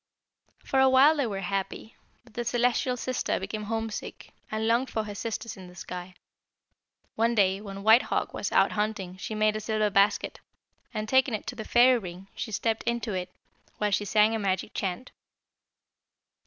"For a while they were happy, but the 'Celestial Sister' became homesick, and longed for her sisters in the sky. One day when White Hawk was out hunting she made a silver basket and, taking it to the fairy ring, she stepped into it, while she sang a magic chant.